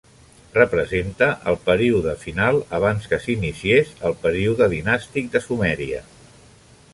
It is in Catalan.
Representa el període final abans que s'iniciés el període dinàstic de Sumèria.